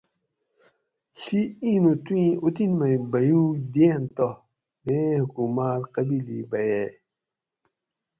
ڷی ایں نوں تو ایں اوطن مئ بیوگ دیٔن تہ میں حکومات قبیلی بھیئ